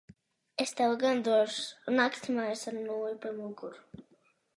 Es tev gan došu naktsmājas ar nūju pa muguru.